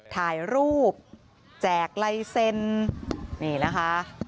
ถ่ายรูปแจกลายเซ็นนี่นะคะ